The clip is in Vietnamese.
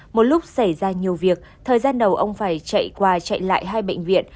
một lúc xảy ra nhiều việc thời gian đầu ông phải chạy qua chạy lại hai bệnh viện